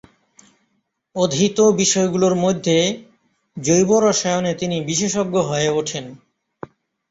অধীত বিষয়গুলোর মধ্যে জৈব রসায়নে তিনি বিশেষজ্ঞ হয়ে ওঠেন।